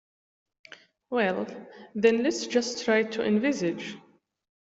Well, then, let's just try to envisage.